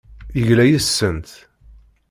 Yegla yes-sent.